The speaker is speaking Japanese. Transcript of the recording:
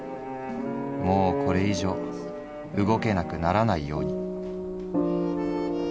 もうこれ以上動けなくならないように」。